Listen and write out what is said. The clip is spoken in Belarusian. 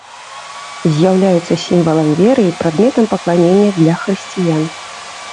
З'яўляюцца сімвалам веры і прадметам пакланення для хрысціян.